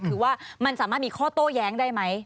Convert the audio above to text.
คือว่ามันสามารถมีข้อโต้แย้งได้ไหม